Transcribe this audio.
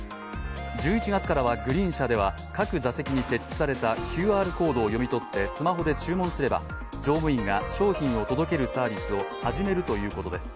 １１月からはグリーン車では各座席に設置されたＱＲコードを読み取ってスマホで注文すれば、乗務員が商品を届けるサービスを始めるということです。